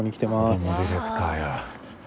こどもディレクターや。